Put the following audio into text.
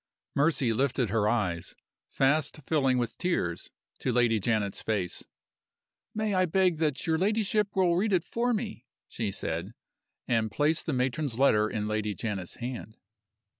Mercy lifted her eyes, fast filling with tears, to Lady Janet's face. "May I beg that your ladyship will read it for me?" she said and placed the matron's letter in Lady Janet's hand.